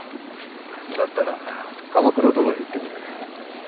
だったら鎌倉殿に言ってくれ。